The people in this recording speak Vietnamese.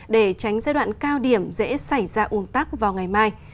để tránh giai đoạn cao điểm dễ xảy ra un tắc vào ngày mai